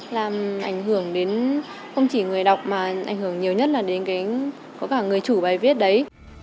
làm ảnh hưởng đến không chỉ người đọc mà ảnh hưởng nhiều nhất là đến có cả người chủ bài viết đấy